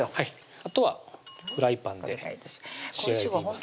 あとはフライパンで仕上げていきます